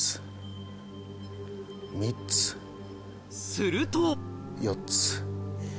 すると４つ。